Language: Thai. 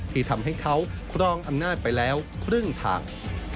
ที่ทำให้เขาครองอำนาจไปแล้วครึ่งทาง